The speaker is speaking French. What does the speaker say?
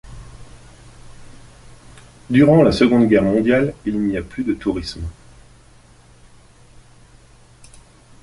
Durant la Seconde Guerre mondiale, il n'y a plus de tourisme.